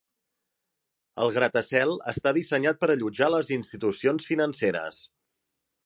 El gratacel està dissenyat per allotjar les institucions financeres.